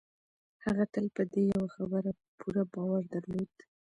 هغه تل په دې يوه خبره پوره باور درلود.